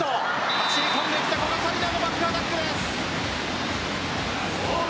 走り込んできた古賀紗理那のバックアタックです。